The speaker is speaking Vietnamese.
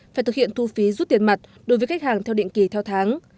phải thực hiện thu phí rút tiền mặt đối với khách hàng theo định kỳ theo tháng